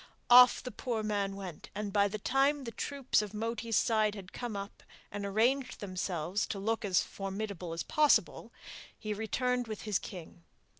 Off the poor man went, and by the time the troops of Moti's side had come up and arranged themselves to look as formidable as possible, he returned with his king.